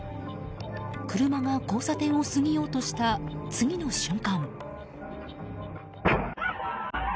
車が交差点を過ぎようとした次の瞬間。